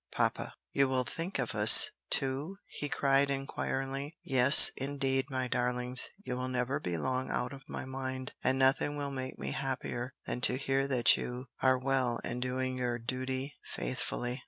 "Papa, you will think of us, too?" he said inquiringly. "Yes, indeed, my darlings; you will never be long out of my mind, and nothing will make me happier than to hear that you are well and doing your duty faithfully."